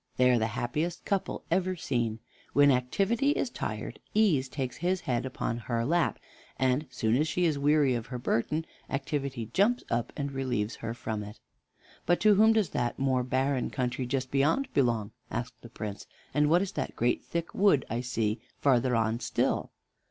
They are the happiest couple ever seen. When Activity is tired, Ease takes his head upon her lap; and soon as she is weary of her burden, Activity jumps up and relieves her from it." "But to whom does that more barren country just beyond belong?" asked the Prince. "And what is that great thick wood I see farther on still?"